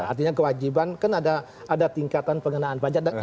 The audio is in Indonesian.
artinya kewajiban kan ada tingkatan pengenaan pajak